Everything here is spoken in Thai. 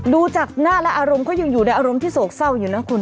ดูจากหน้าและอารมณ์เขายังอยู่ในอารมณ์ที่โศกเศร้าอยู่นะคุณ